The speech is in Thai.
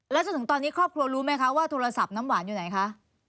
จนถึงตอนนี้ครอบครัวรู้ไหมคะว่าโทรศัพท์น้ำหวานอยู่ไหนคะ